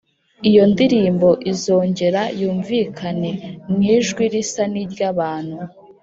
, iyo ndirimbo izongera yumvikane mu ijwi risa n’iry’abantu